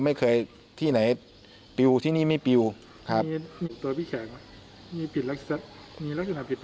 ไม่เคยที่ไหนปิวที่นี่ไม่ปิวครับ